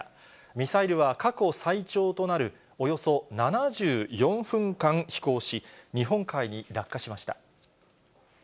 ミサイルは過去最長となるおよそ７４分間飛行し、日本海に落下しました。